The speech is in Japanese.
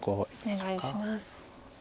お願いします。